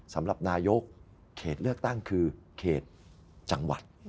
สำหรับนายกเขตเลือกตั้งคือเขตจังหวัด